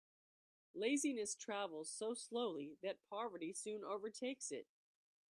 Laziness travels so slowly that poverty soon overtakes it.